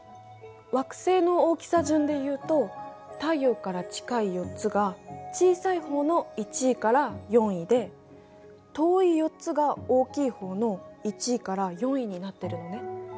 惑星の大きさ順でいうと太陽から近い４つが小さい方の１位から４位で遠い４つが大きい方の１位から４位になってるのね。